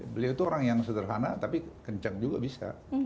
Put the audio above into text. beliau itu orang yang sederhana tapi kencang juga bisa